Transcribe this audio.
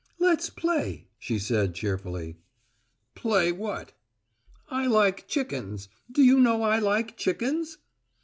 "Let's play," she said cheerfully. "Play what?" "I like chickens. Did you know I like chickens?"